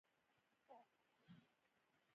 په منځنۍ امریکا کې کېله، قهوه او کاکاو کرل کیږي.